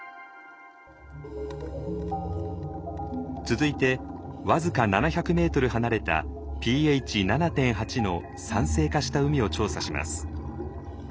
続いて僅か７００ｍ離れたｐＨ７．８の酸性化した海を調査します。